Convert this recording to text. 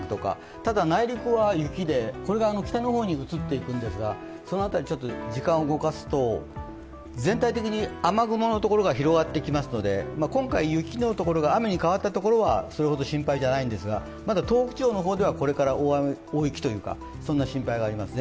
ただ、内陸は雪で、これが北の方に移っていくんですが、時間を動かすと、全体的に雨雲のところが広がってきますので今回、雪の所が雨に変わったところはそれほど心配じゃないんですがまだ東北地方の方ではこれから大雪の心配がありますね。